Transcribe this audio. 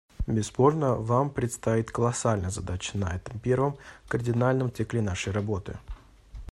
Бесспорно, вам предстоит колоссальная задача на этом первом, кардинальном цикле нашей работы.